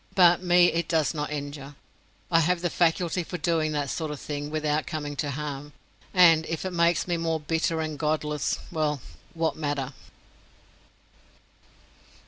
But me it does not injure, I have the faculty for doing that sort of thing without coming to harm, and if it makes me more bitter and godless, well, what matter?